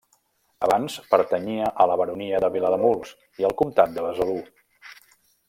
Abans pertanyia a la baronia de Vilademuls i al comtat de Besalú.